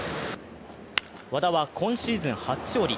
和田は今シーズン初勝利。